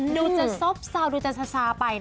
ดูจะซ้อมสาวดูจะซาซ่าไป